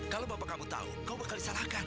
kalau bapak kamu tahu kamu akan disalahkan